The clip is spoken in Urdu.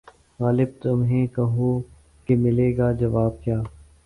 غالبؔ تمہیں کہو کہ ملے گا جواب کیا